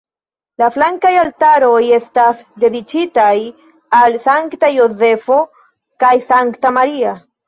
La flankaj altaroj estas dediĉitaj al Sankta Jozefo kaj Sankta Maria.